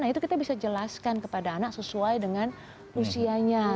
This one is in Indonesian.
nah itu kita bisa jelaskan kepada anak sesuai dengan usianya